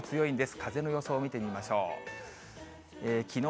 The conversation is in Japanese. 風の予想見てみましょう。